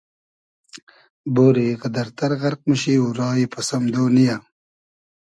بۉری غئدئر تئر غئرق موشی و رایی پئس امدۉ نییۂ